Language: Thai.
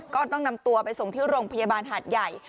ก็ต้องนำตัวไปส่งที่โรงพยาบาลหาดใหญ่